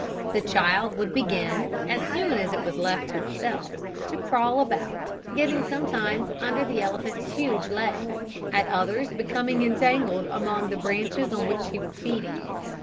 The child would begin, as soon as it was left to itself, to crawl about, getting sometimes under the elephant's huge legs, at others becoming entangled among the branches on which he was feeding.